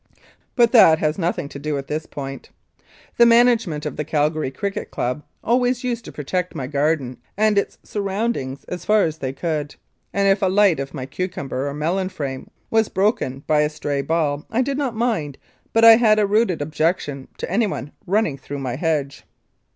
But that has nothing to do with this point. The management of the Calgary Cricket Club always used to protect my garden and its surroundings as far as they could, and, if a light of my cucumber or melon frame was broken by a stray ball I did not mind, but I had a rooted objection to anyone running through my hedge.